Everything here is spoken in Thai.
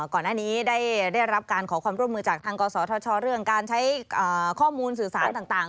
ก่อนหน้านี้ได้รับการขอความร่วมมือจากทางกศธชเรื่องการใช้ข้อมูลสื่อสารต่าง